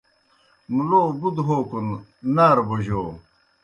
مُلو بُدوْ ہوکُن نارہ بوجو۔